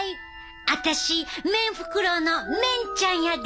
私メンフクロウのメンちゃんやで！